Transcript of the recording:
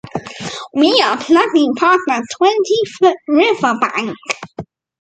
We are plugging past a twenty-foot river bank.